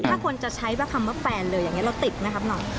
ถ้าคนจะใช้คำว่าแฟนเลยอย่างนี้เราติดไหมครับหน่อย